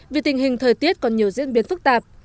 vì tình hình thời tiết còn nhiều diễn biến phức tạp